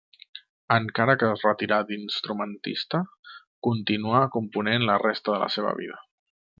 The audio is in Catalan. Encara que es retirà d'instrumentista, continuà component la resta de la seva vida.